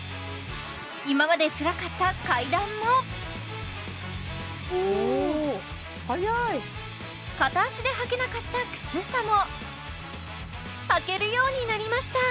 今までつらかった階段もおお早い片足ではけなかった靴下もはけるようになりました